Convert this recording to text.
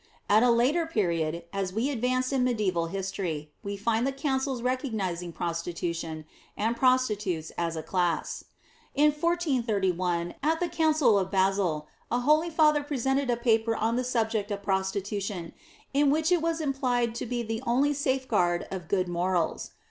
At a later period, as we advance in mediæval history, we find the councils recognizing prostitution, and prostitutes as a class. In 1431, at the Council of Basle, a holy father presented a paper on the subject of prostitution, in which it was implied to be the only safeguard of good morals.